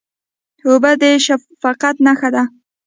اوبه د شفقت نښه ده.